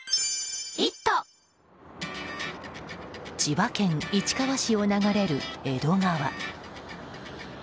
千葉県市川市を流れる江戸川。